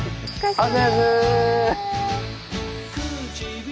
あっ！